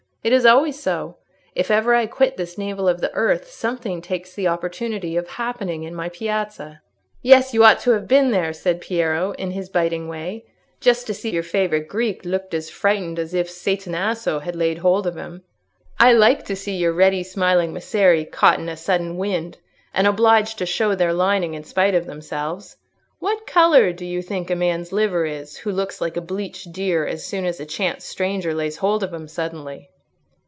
It is always so: if ever I quit this navel of the earth something takes the opportunity of happening in my piazza." "Yes, you ought to have been there," said Piero, in his biting way, "just to see your favourite Greek look as frightened as if Satanasso had laid hold of him. I like to see your ready smiling Messeri caught in a sudden wind and obliged to show their lining in spite of themselves. What colour do you think a man's liver is, who looks like a bleached deer as soon as a chance stranger lays hold of him suddenly?"